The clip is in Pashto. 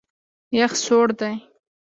یخ سوړ دی.